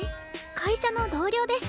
会社の同僚です。